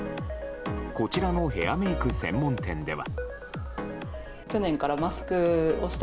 こちらのヘアメイク専門店では。